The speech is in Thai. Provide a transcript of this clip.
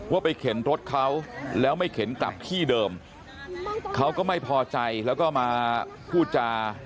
ว่าไปเข็นรถเขาแล้วไม่เข็นกลับที่เดิมเขาก็ไม่พอใจแล้วก็มาพูดจา